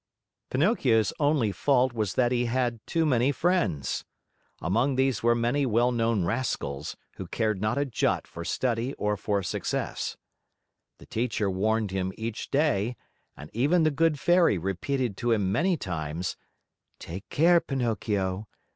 Pinocchio's only fault was that he had too many friends. Among these were many well known rascals, who cared not a jot for study or for success. The teacher warned him each day, and even the good Fairy repeated to him many times: "Take care, Pinocchio!